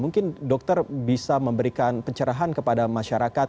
mungkin dokter bisa memberikan pencerahan kepada masyarakat